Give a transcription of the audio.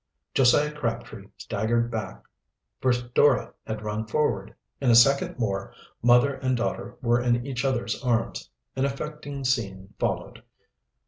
Josiah Crabtree staggered back, for Dora had run forward. In a second more mother and daughter were in each other's arms. An affecting scene followed.